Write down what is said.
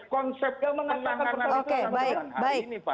konsep penanganan itu sama dengan hari ini pak